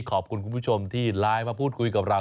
ขอบคุณคุณผู้ชมที่ไลน์มาพูดคุยกับเรา